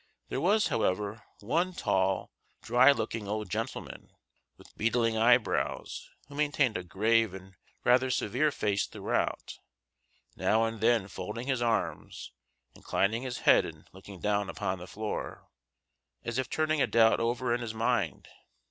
There was, however, one tall, dry looking old gentleman, with beetling eyebrows, who maintained a grave and rather severe face throughout, now and then folding his arms, inclining his head, and looking down upon the floor, as if turning a doubt over in his mind.